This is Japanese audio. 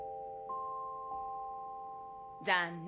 残念。